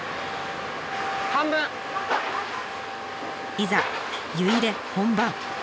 いざ湯入れ本番。